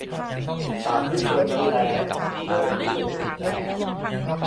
สาธุชนนั้นแล้ เลิศด้วยดวงใจ